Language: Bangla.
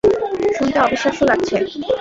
শুনতে অবিশ্বাস্য লাগছে!